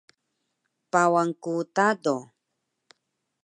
Pawan ku Tado